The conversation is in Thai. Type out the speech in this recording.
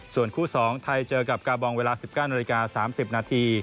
ส่วนคู่๒ไทยเจอกับกาบองเวลา๑๙น๓๐น